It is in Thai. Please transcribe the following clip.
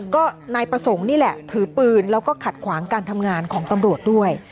ก็นายประสงค์นี่แหละถือปืนแล้วก็ขัดขวางการทำงานของตำรวจด้วย